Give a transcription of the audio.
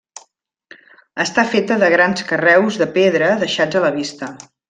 Està feta de grans carreus de pedra deixats a la vista.